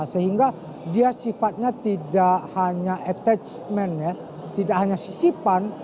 sehingga dia sifatnya tidak hanya attachment ya tidak hanya sisipan